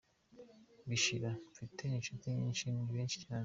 Bishira: Mfite inshuti nyinshi, ni benshi cyane.